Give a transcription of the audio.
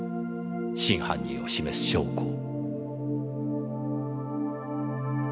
真犯人を示す証拠を。